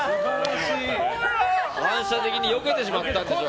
反射的によけてしまったんでしょう。